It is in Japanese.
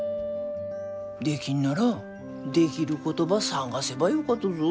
できんならできることば探せばよかとぞ。